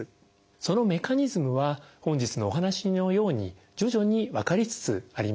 そのメカニズムは本日のお話のように徐々に分かりつつあります。